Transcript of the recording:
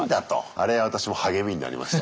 あれアタシも励みになりました。